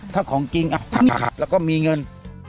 ถ้าของจริงแล้วก็มีเงิน